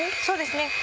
そうですね。